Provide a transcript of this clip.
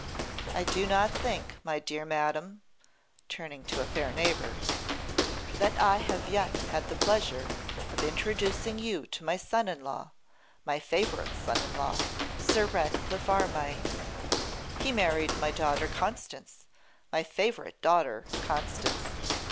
I do not think, my dear madam [turning to a fair neighbour], that I have yet had the pleasure of introducing you to my son in law, my favourite son in law, Sir Ratcliffe Armine. He married my daughter Constance, my favourite daughter, Constance.